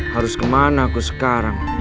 harus kemana aku sekarang